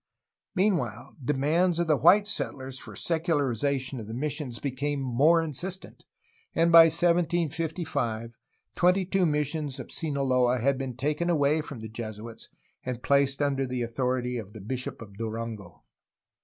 Meanwhile, demands of the white settlers for secularization of the missions became more insistent, and by 1755 twenty two missions of Sinaloa had been taken away from the Jesuits and placed under the authority of the bishop of Durango.